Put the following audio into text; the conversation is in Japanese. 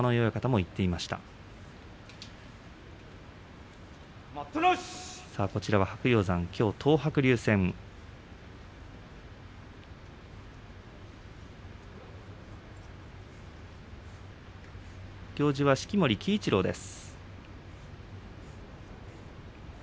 行司は式守鬼一郎です。